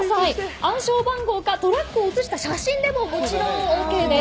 暗証番号がトラックを写した写真でももちろんＯＫです。